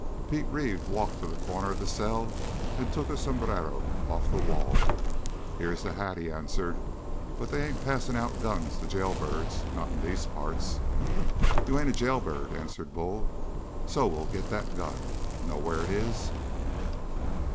Pete Reeve walked to the corner of the cell and took a sombrero off the wall. "Here's that hat," he answered, "but they ain't passing out guns to jailbirds not in these parts!" "You ain't a jailbird," answered Bull, "so we'll get that gun. Know where it is?"